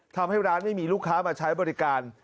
ทำให้ร้านไม่มีลูกค้ามาใช้บริการ